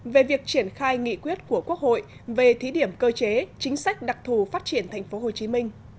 về việc triển khai nghị quyết của quốc hội về thí điểm cơ chế chính sách đặc thù phát triển tp hcm